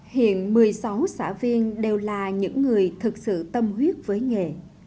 hiện một mươi sáu xã viên đều là những người thực sự tâm huyết với nghề